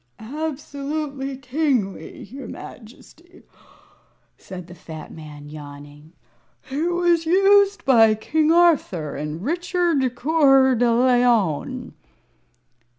"Absolutely kingly, your Majesty," said the fat man, yawning. "It was used by King Arthur and Richard Coeur de Leon."